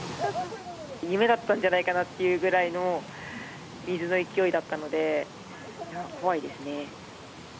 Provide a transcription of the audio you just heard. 夢だったんじゃないかなっていうくらいの水の勢いだったので、怖いですね。